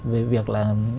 về việc là